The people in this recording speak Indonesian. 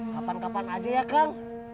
kapan kapan aja ya kang